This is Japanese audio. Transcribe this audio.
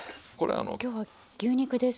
今日は牛肉ですね。